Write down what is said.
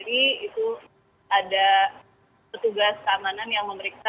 jadi itu ada petugas keamanan yang memeriksa